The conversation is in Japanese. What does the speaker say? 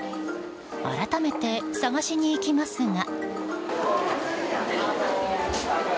改めて探しに行きますが。